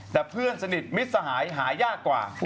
แต่เพื่อนสนิทมิตรสหายหายากกว่า